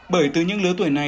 bởi từ những lứa tuổi này